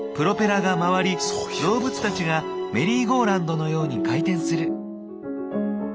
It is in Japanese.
動物たちがメリーゴーラウンドのように回転する。